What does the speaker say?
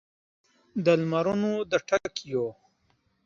د لمرونو د ټکېو